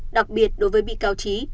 đặc biệt đối với bị cảo trí